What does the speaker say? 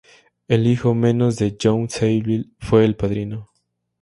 El hijo menos de John Saville fue el padrino.